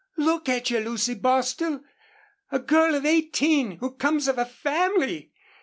Look at you, Lucy Bostil! A girl of eighteen who comes of a family!